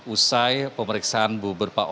usai pemeriksaan beberapa orang